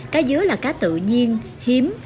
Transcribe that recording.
cá dứa là cá tự nhiên hiếm